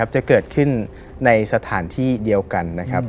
จะเกิดขึ้นในสถานที่เดียวกัน